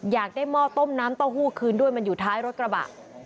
อยากได้หม้อต้มน้ำเต้าหู้คืนด้วยมันอยู่ท้ายรถกระบะ